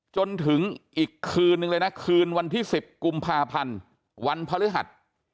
จนถึงอีกคืนนึงเลยนะคืนวันที่๑๐กุมภาพันธ์วันพฤหัส